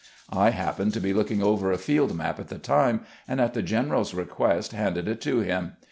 I happened to be looking over a field map at the time, and, at the general's request, handed it to him.